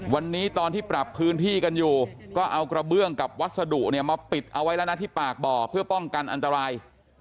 วันนี้ตอนที่ปรับพื้นที่กันอยู่ก็เอากระเบื้องกับวัสดุเนี่ยมาปิดเอาไว้แล้วนะที่ปากบ่อเพื่อป้องกันอันตราย